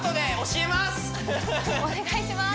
お願いします